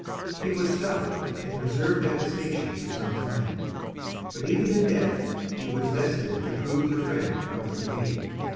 He was stuffed, and preserved at the station for some time. But even in death he was destined to prove the friend of the brigade.